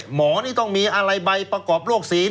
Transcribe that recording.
หมอนี่ต้องมีอะไรใบประกอบโรคสี